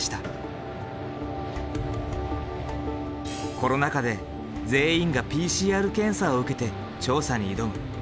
コロナ禍で全員がＰＣＲ検査を受けて調査に挑む。